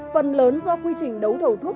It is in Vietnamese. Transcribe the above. phần lớn do quy trình đấu thầu thuốc